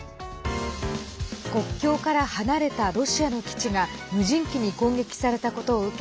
国境から離れたロシアの基地が無人機に攻撃されたことを受け